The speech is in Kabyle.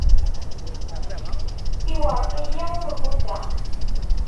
Iwṛet-iyi, ur mmuteɣ.